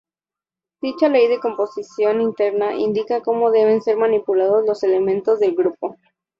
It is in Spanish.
Dicha ley de composición interna indica cómo deben ser manipulados los elementos del grupo.